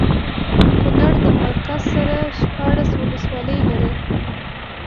کونړ د مرکز سره شپاړس ولسوالۍ لري